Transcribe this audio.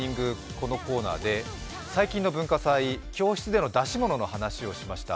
このコーナーで最近の文化祭、教室での出し物の話をしました。